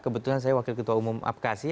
kebetulan saya wakil ketua umum apkasi